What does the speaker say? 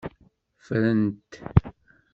Ffren-t.